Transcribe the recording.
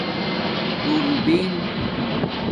دُور بین